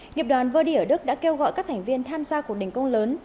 nghiệp đoàn vodi ở đức đã kêu gọi các thành viên tham gia cuộc đình công lớn